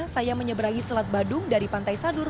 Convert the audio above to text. saya menyeberangi selat badung dari pantai sadur